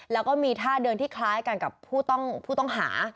แล้วก็มีท่าเดินที่คล้ายกันกับผู้ต้องหา